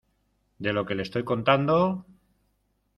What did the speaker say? de lo que le estoy contando